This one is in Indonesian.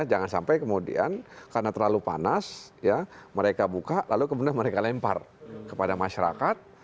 jangan sampai kemudian karena terlalu panas ya mereka buka lalu kemudian mereka lempar kepada masyarakat